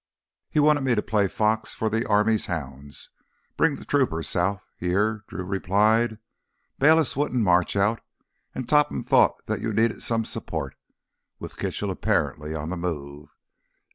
"He wanted me to play fox for the army's hounds ... bring the troopers south ... here," Drew replied. "Bayliss wouldn't march out and Topham thought that you needed some support—with Kitchell apparently on the move."